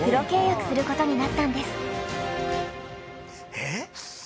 えっ？